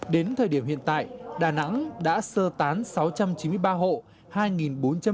đến thời điểm hiện tại đà nẵng đã sơ tán sáu trăm chín mươi ba hộ